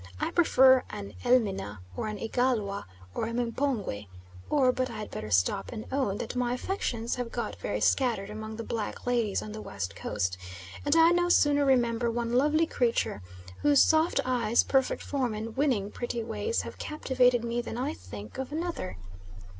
I prefer an Elmina, or an Igalwa, or a M'pongwe, or but I had better stop and own that my affections have got very scattered among the black ladies on the West Coast, and I no sooner remember one lovely creature whose soft eyes, perfect form and winning, pretty ways have captivated me than I think of another.